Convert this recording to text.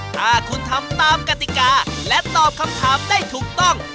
ถ้าคุณทำตามกติกาและตอบคำถามได้ถูกต้อง